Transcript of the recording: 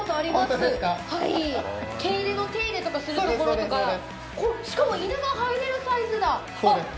ホントですか手入れとかするところとかしかも犬が入れるサイズだそうです